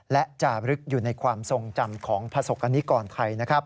และจารึกอยู่ในความทรงจำของประสบกรณิกรไทย